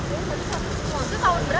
itu tahun berapa